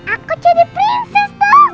aku jadi prinses dong